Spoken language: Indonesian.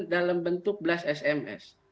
dalam bentuk belas sms